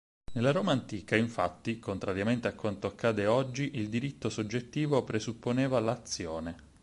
Nella Roma antica, infatti, contrariamente a quanto accade oggi, il diritto soggettivo presupponeva l'azione.